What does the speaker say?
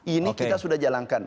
ini kita sudah jalankan